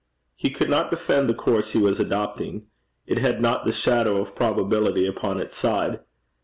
He could not defend the course he was adopting: it had not the shadow of probability upon its side.